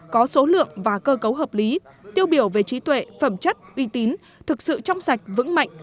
có số lượng và cơ cấu hợp lý tiêu biểu về trí tuệ phẩm chất uy tín thực sự trong sạch vững mạnh